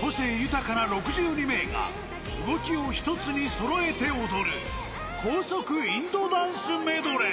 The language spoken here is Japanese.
個性豊かな６２名が、動きを一つに揃えて踊る、高速インドダンスメドレー。